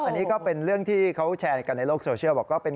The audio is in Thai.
อันนี้ก็เป็นเรื่องที่เขาแชร์กันในโลกโซเชียลบอก